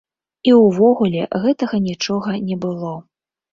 І ўвогуле гэтага нічога не было.